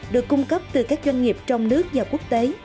được cung cấp từ các doanh nghiệp trong nước và quốc tế